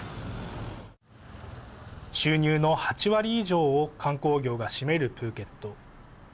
収入の８割以上を観光業が占めるプーケット。